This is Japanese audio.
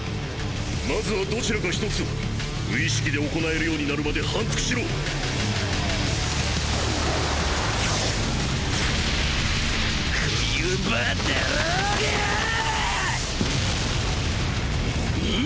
まずはどちらか１つを無意識で行えるようになるまで反復しろ冬場だろうがぁあ！